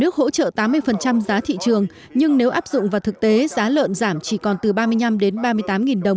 hỗ trợ tám mươi giá thị trường nhưng nếu áp dụng vào thực tế giá lợn giảm chỉ còn từ ba mươi năm đến ba mươi tám đồng